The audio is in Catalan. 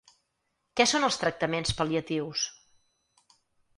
Què són els tractaments pal·liatius?